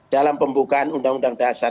dalam pembukaan uud empat puluh lima